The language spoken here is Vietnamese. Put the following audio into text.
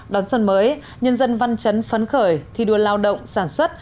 đón xuân mới nhân dân văn chấn phấn khởi thi đua lao động sản xuất